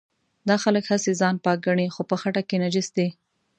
دا خلک هسې ځان پاک ګڼي خو په خټه کې نجس دي.